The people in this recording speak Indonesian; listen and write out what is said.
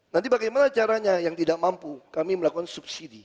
nanti bagaimana caranya yang tidak mampu kami melakukan subsidi